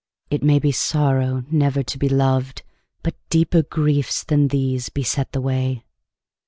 It may be sorrow never to be loved, But deeper griefs than these beset the way.